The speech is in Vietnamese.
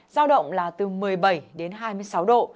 giao động là từ một mươi bảy đến hai mươi sáu độ